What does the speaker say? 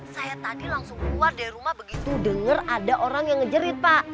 saya tadi langsung keluar dari rumah begitu denger ada orang yang ngejerit pak